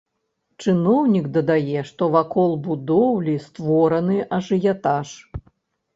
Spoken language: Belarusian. Чыноўнік дадае, што вакол будоўлі створаны ажыятаж.